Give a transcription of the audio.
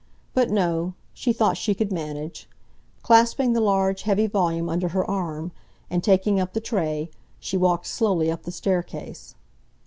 But, no, she thought she could manage; clasping the large, heavy volume under her arm, and taking up the tray, she walked slowly up the staircase.